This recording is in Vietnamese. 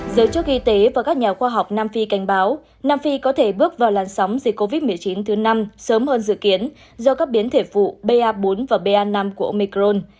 giới chức y tế và các nhà khoa học nam phi cảnh báo nam phi có thể bước vào làn sóng dịch covid một mươi chín thứ năm sớm hơn dự kiến do các biến thể phụ ba bốn và ba năm của omicron